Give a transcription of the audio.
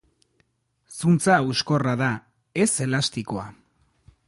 Zuntza hauskorra da, ez elastikoa.